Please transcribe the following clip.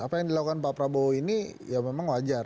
apa yang dilakukan pak prabowo ini ya memang wajar